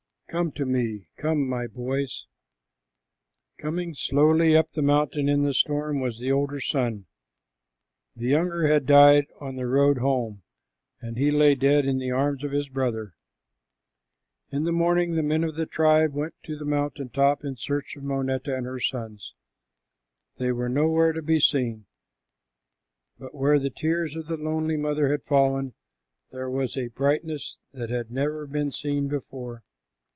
Come to me, come, my boys." Coming slowly up the mountain in the storm was the older son. The younger had died on the road home, and he lay dead in the arms of his brother. In the morning the men of the tribe went to the mountain top in search of Moneta and her sons. They were nowhere to be seen, but where the tears of the lonely mother had fallen, there was a brightness that had never been seen before.